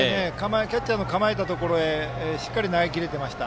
キャッチャーの構えたところへしっかり投げ切れていました。